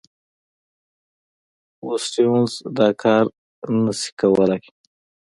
خو سټیونز دا کار نه شو کولای.